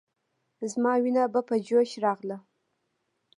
زما وينه به په جوش راغله.